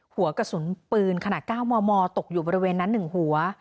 หัวกระสุนปืนขนาด๙มมตกอยู่บริเวณนั้น๑หัว